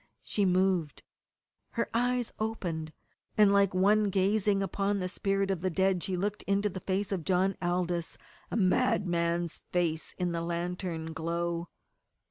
She moved; her eyes opened, and like one gazing upon the spirit of the dead she looked into the face of John Aldous, a madman's face in the lantern glow.